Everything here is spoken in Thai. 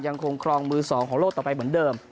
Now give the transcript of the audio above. ยังคงครองมือ๒ของโลกต่อไปเหมือนเดิม